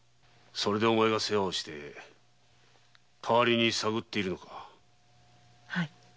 それでお前が世話をして代わりに探っているのか。